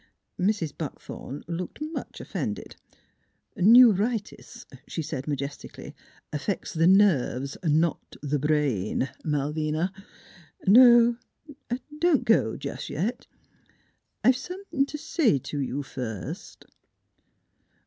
Mrs. Buckthorn looked much offended. " New ritis," said she majestically, " affects th' nerves, not th' brain, Malvina. ... No; don't go jus' yet; I have somethin' t' say t' you, first."